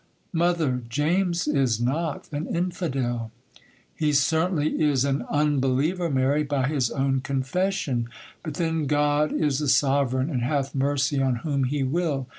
'Mother, James is not an infidel.' 'He certainly is an unbeliever, Mary, by his own confession; but then God is a Sovereign and hath mercy on whom He will.